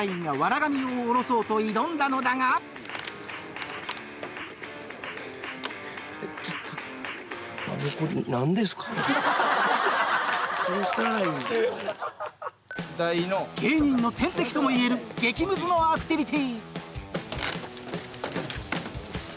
神を降ろそうと挑んだのだが芸人の天敵ともいえる激ムズのアクティビティ